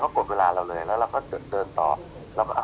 เขากดเวลาเราเลยแล้วเราก็เดินต่อแล้วก็อ้าว